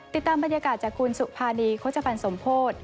ติดตามบรรยากาศจากคุณสุภานีโฆษภัณฑ์สมโพธิ